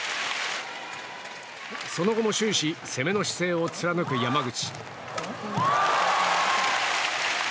その後も終始攻めの姿勢を貫く山口。